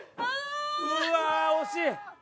うわ惜しい！